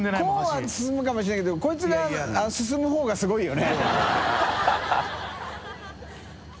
灰Δすすむかもしれないけどこいつがすすむ方がすごいよね森田）